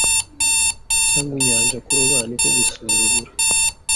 cyangwa inyanja kuroba niko gusuzugura